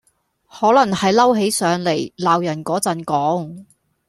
可能係嬲起上黎鬧人果陣講